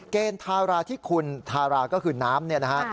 เกณฑ์ทาราธิคุณทาราก็คือน้ำเนี่ยนะฮะ